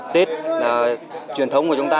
tết là truyền thống của chúng ta